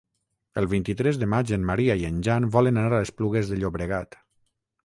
El vint-i-tres de maig en Maria i en Jan volen anar a Esplugues de Llobregat.